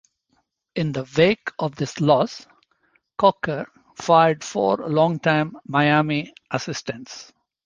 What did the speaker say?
In the wake of this loss, Coker fired four longtime Miami assistants.